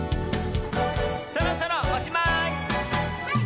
そろそろおしまい！